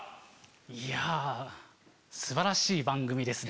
いや素晴らしい番組ですね。